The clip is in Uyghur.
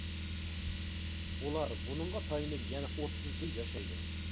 ئۇلار بۇنىڭغا تايىنىپ يەنە ئوتتۇز يىل ياشايدۇ.